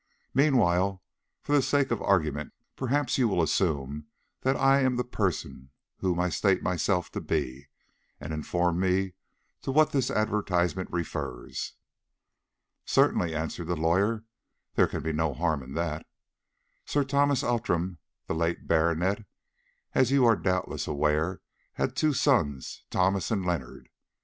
"Meanwhile, for the sake of argument, perhaps you will assume that I am the person whom I state myself to be, and inform me to what this advertisement refers." "Certainly," answered the lawyer, "there can be no harm in that. Sir Thomas Outram, the late baronet, as you are doubtless aware, had two sons, Thomas and Leonard.